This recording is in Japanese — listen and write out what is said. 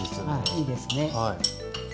はい。